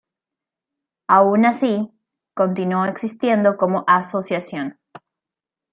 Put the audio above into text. Aun así, continuó existiendo como asociación.